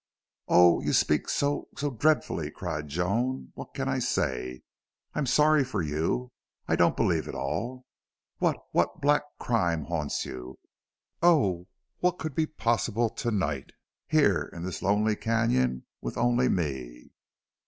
"Oh, you speak so so dreadfully!" cried Joan. "What can I say? I'm sorry for you. I don't believe it all. What what black crime haunts you? Oh! what could be possible tonight here in this lonely canon with only me?"